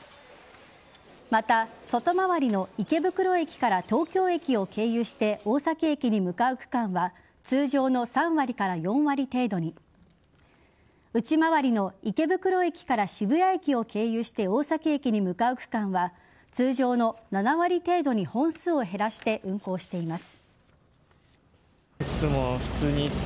また、外回りの池袋駅から東京駅を経由して大崎駅へ向かう区間は通常の３割から４割程度に内回りの池袋駅から渋谷駅を経由して大崎駅に向かう区間は通常の７割程度に本数を減らして運行しています。